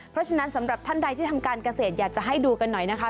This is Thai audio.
เพราะฉะนั้นสำหรับท่านใดที่ทำการเกษตรอยากจะให้ดูกันหน่อยนะคะ